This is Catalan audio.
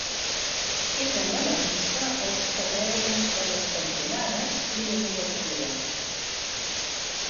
Queden a la vista els carreus de les cantonades i les obertures.